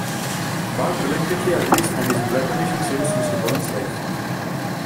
Bart reluctantly agrees and his blood donation saves Mr. Burns' life.